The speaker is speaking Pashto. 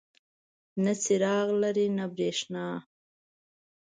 نه څراغ لري نه بریښنا.